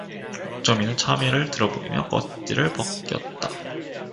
옥점이는 참외를 들어 보이며 껍질을 벗겼다.